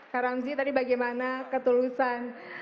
kak ramzi tadi bagaimana ketulusan